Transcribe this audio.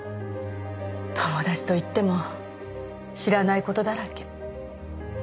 友達といっても知らないことだらけ。